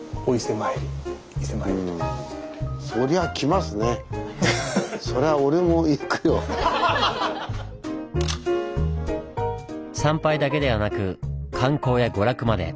参拝だけではなく観光や娯楽まで。